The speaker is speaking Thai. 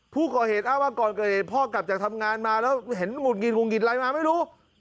ผู้ก่อเหตุอ้างว่าก่อนเกิดเหตุพ่อกลับจากทำงานมาแล้วเห็นหุดหงิดหุงหงิดอะไรมาไม่รู้